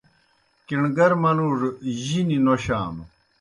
کِݨ گر منُوڙوْ جِنیْ نوشانوْ۔